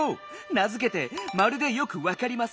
なづけて「まるでよくわかりマス」。